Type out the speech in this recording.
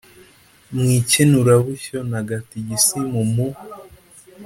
mw ikenurabushyo na gatigisimu mu